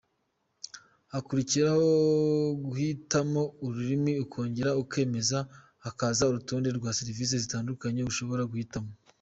Hakurikiraho guhitamo ururimi ukongera ukemeza, hakaza urutonde rwa serivisi zitandukanye ushobora guhitamo.